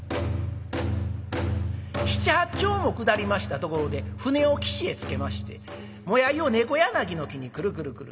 七八町も下りましたところで舟を岸へ着けましてもやいをねこやなぎの木にクルクルクル。